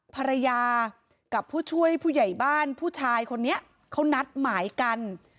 ภรรยากับผู้ช่วยผู้ใหญ่บ้านผู้ชายคนนี้เขานัดหมายกัน